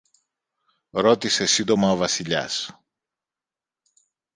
ρώτησε σύντομα ο Βασιλιάς.